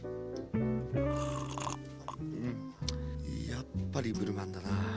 やっぱりブルマンだな。